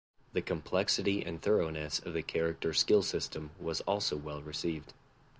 The complexity and thoroughness of the character skill system was also well received.